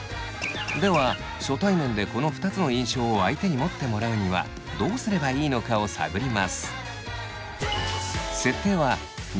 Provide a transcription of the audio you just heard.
では初対面でこの２つの印象を相手に持ってもらうにはどうすればいいのかを探ります。